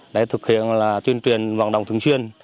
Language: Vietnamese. để thực hiện là tuyên truyền vận động thường xuyên